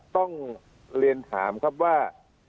ต้องเรียนถามว่า